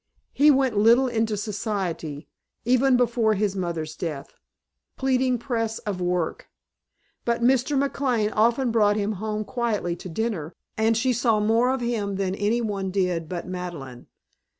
He went little into society, even before his mother's death, pleading press of work, but Mr. McLane often brought him home quietly to dinner and she saw more of him than any one did but Madeleine.